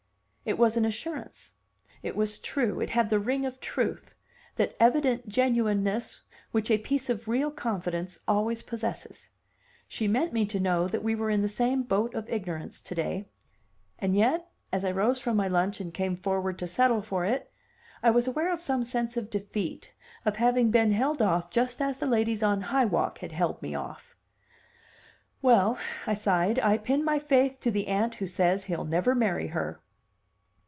It was an assurance, it was true, it had the ring of truth, that evident genuineness which a piece of real confidence always possesses; she meant me to know that we were in the same boat of ignorance to day. And yet, as I rose from my lunch and came forward to settle for it, I was aware of some sense of defeat, of having been held off just as the ladies on High Walk had held me off. "Well," I sighed, "I pin my faith to the aunt who says he'll never marry her."